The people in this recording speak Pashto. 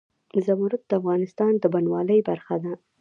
زمرد د افغانستان د بڼوالۍ برخه ده.